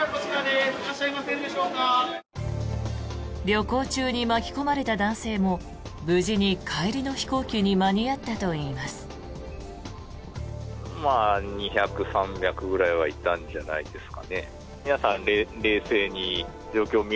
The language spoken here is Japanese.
旅行中に巻き込まれた男性も無事に帰りの飛行機に間に合ったといいます。